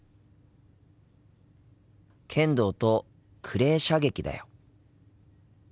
剣道とクレー射撃だよ。